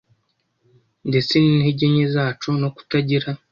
ndetse n’intege nke zacu no kutagira